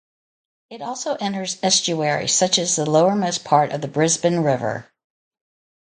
It also enters estuaries, such as the lowermost part of the Brisbane River.